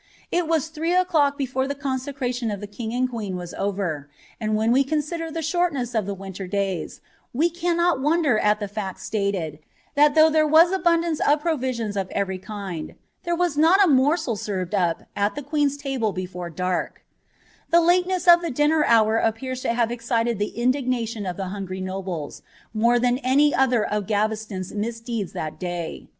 Il was three o'clock before the consecralioD of ilie kin; ami 3ueen was over; and when we consider die sbortncsa of ibe wjoHl tys, we cannot wonder al iJie &cl stated, Lhtit though there wu abuK dance of provisions of everv kind, there wad not a morsel served upd the queen's table before darL' The lateness of the dinner hour apinn to liave excited the indignation of llie hungry nobles, more ibM ibj other of Gavesion's misdeeds that day.